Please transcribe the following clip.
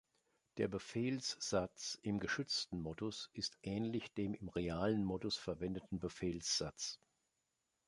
Der Befehlssatz im geschützten Modus ist ähnlich dem im realen Modus verwendeten Befehlssatz.